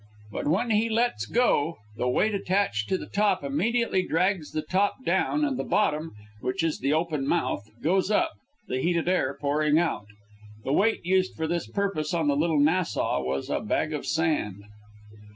But when he lets go, the weight attached to the top immediately drags the top down, and the bottom, which is the open mouth, goes up, the heated air pouring out. The weight used for this purpose on the "Little Nassau" was a bag of sand.